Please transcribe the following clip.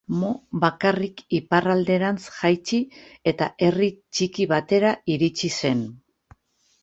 Mo bakarrik iparralderantz jaitsi eta herri txiki batera iritsi zen.